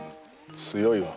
強いわ。